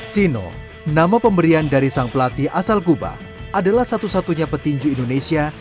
sino nama pemberian dari sang pelatih asal kuba adalah satu satunya petinju indonesia